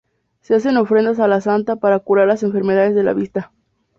Se hacen ofrendas a la santa para curar las enfermedades de la vista.